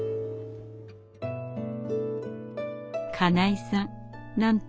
金井さん